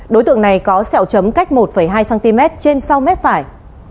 đối tượng này có sẹo chấm cách một hai cm trên sáu m phải